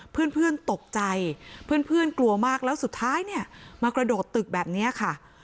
เพื่อนตกใจเพื่อนกลัวมากแล้วสุดท้ายเนี่ยมากระโดดตึกแบบนี้ค่ะ